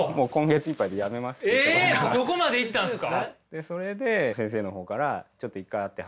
そこまでいったんですか。